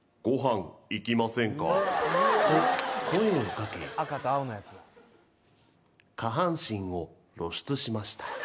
「ご飯行きませんか」と声を掛け下半身を露出しました。